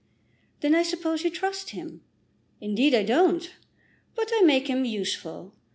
"Then I suppose you trust him?" "Indeed I don't; but I make him useful.